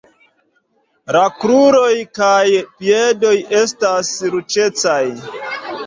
La kruroj kaj piedoj estas ruĝecaj.